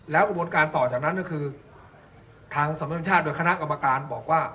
แล้วกระบวนการต่อจากนั้นก็คือทางสำนวนชาติโดยคณะกรรมการบอกว่า